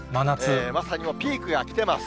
まさにもうピークがきてます。